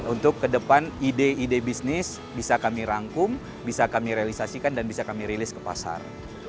untuk ke depan ide ide bisnis bisa kami rangkum bisa kami realisasikan dan bisa kami rilis ke pasar